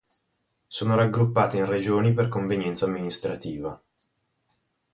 Sono raggruppate in regioni per convenienza amministrativa.